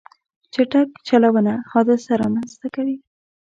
چټک چلوونه حادثه رامنځته کوي.